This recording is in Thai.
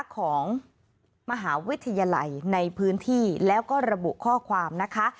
ของมหาวิทยาลัยในพื้นที่แล้วก็ระบุข้อความนะคะ